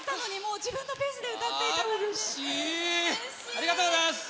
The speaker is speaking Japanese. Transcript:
ありがとうございます。